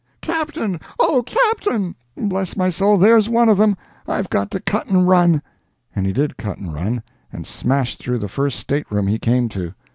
Captain! O captain!—bless my soul, there's one of them—I've got to cut and run!" And he did cut and run, and smashed through the first stateroom he came to.